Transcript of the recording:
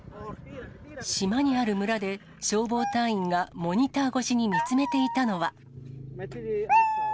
島にある村で、消防隊員がモニター越しに見つめていたのは。